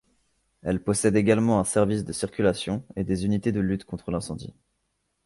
Elle possède également un service de circulation et des unités de lutte contre l'incendie.